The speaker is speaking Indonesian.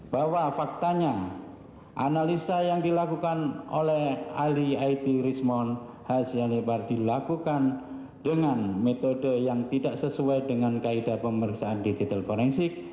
bahwa faktanya analisa yang dilakukan oleh ahli it rismond hasya lebar dilakukan dengan metode yang tidak sesuai dengan kaedah pemeriksaan digital forensik